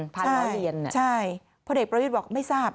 ล้อเรียนใช่พลเอกประวิทย์บอกไม่ทราบ